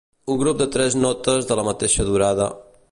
un grup de tres notes de la mateixa durada